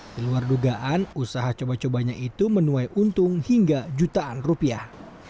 di luar dugaan usaha coba cobanya itu menuai untung hingga jutaan rupiah